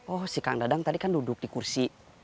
oh si kang dadang tadi kan duduk di kursi